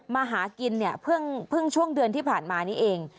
มาหากินเนี่ยเพิ่งช่วงเดือนที่ผ่านมานี้เอง